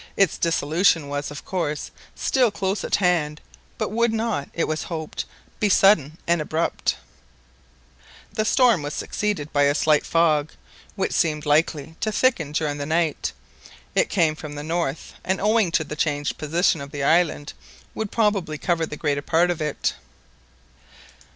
Its dissolution was, of course, still close at hand, but would not, it was hoped, be sudden and abrupt. The storm was succeeded by a slight fog, which seemed likely to thicken during the night. It came from the north, and owing to the changed position of the island, would probably cover the greater part of it.